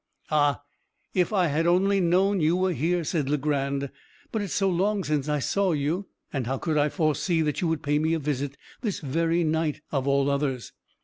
"Ah, if I had only known you were here!" said Legrand, "but it's so long since I saw you; and how could I foresee that you would pay me a visit this very night, of all others?